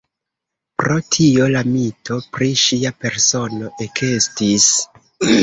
Pro tio la mito pri ŝia persono ekestis.